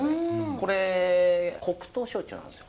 これ黒糖焼酎なんですよ。